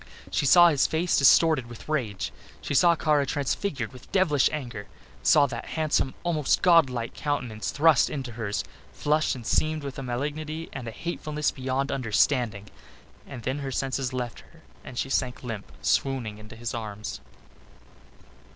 She saw his face distorted with rage. She saw Kara transfigured with devilish anger, saw that handsome, almost godlike countenance thrust into hers, flushed and seamed with malignity and a hatefulness beyond understanding and then her senses left her and she sank limp and swooning into his arms.